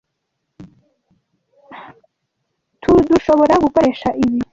Turdushoboragukoresha ibi.